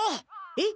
えっ？